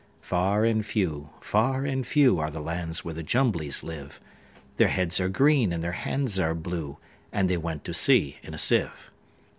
Far and few, far and few, Are the lands where the Jumblies live:Their heads are green, and their hands are blue; And they went to sea in a sieve.